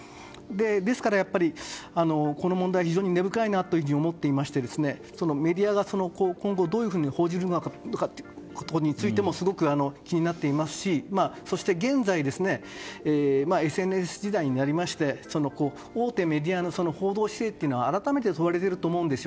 ですからやっぱりこの問題は非常に根深いと思っていましてメディアが今後どのように報じるかということについてもすごく気になっていますしそして現在ＳＮＳ時代になりまして大手メディアの報道姿勢というのは改めて問われていると思います。